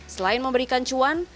selain memberikan cuan